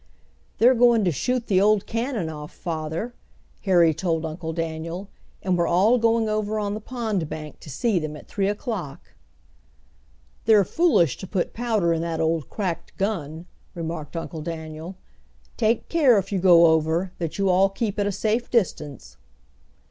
"They're goin' to shoot the old cannon off, father," Harry told Uncle Daniel, "and we're all going over on the pond bank to see them, at three o'clock." "They're foolish to put powder in that old cracked gun," remarked Uncle Daniel. "Take care, if you go over, that you all keep at a safe distance."